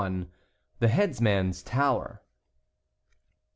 THE HEADSMAN'S TOWER.